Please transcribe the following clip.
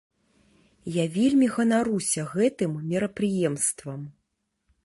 Я вельмі ганаруся гэтым мерапрыемствам.